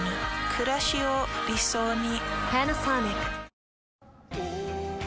くらしを理想に。